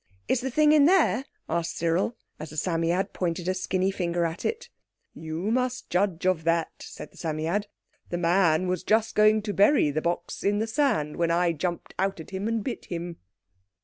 "Is the thing in there?" asked Cyril, as the Psammead pointed a skinny finger at it. "You must judge of that," said the Psammead. "The man was just going to bury the box in the sand when I jumped out at him and bit him."